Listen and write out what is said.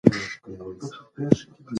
آیا بالغ کسان هم شیدې اړینې دي؟